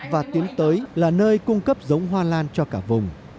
và tiến tới là nơi cung cấp giống hoa lan cho cả vùng